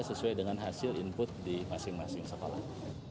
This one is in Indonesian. sesuai dengan hasil input di masing masing sekolah